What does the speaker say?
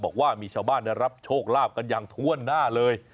บอกว่ามีชาวบ้านได้รับโชคลาภกันอย่างถ้วนหน้าเลย